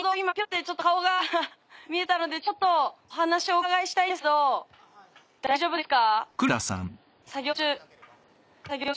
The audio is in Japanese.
ッてちょっと顔が見えたのでちょっとお話をお伺いしたいんですけど大丈夫ですか？